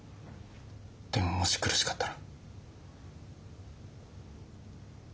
でももし苦しかったら。